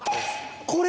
これ？